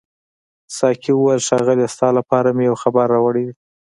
ساقي وویل ښاغلیه ستا لپاره مې یو خبر راوړی دی.